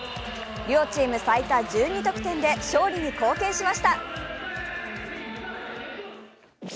両チーム最多の１２得点で勝利に貢献しました。